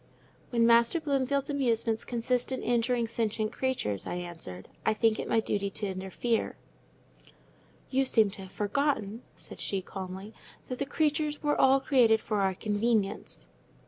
"When Master Bloomfield's amusements consist in injuring sentient creatures," I answered, "I think it my duty to interfere." "You seemed to have forgotten," said she, calmly, "that the creatures were all created for our convenience."